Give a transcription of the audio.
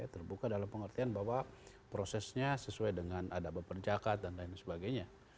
terbuka dalam pengertian bahwa prosesnya sesuai dengan adab perjakatan dan lain sebagainya